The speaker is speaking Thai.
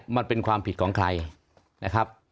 มันเป็นความผิดของใครนะครับ